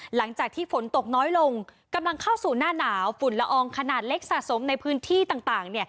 หลังจากที่ฝนตกน้อยลงกำลังเข้าสู่หน้าหนาวฝุ่นละอองขนาดเล็กสะสมในพื้นที่ต่าง